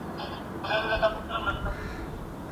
هغه په لوړ غږ د خپل تره زوی ته غږ وکړ.